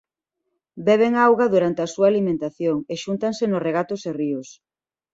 Beben auga durante a súa alimentación e xúntanse nos regatos e ríos.